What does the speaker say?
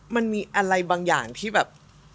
มันมีอะไรบางอย่างที่แบบ